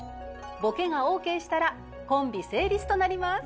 ボケがオーケーしたらコンビ成立となります。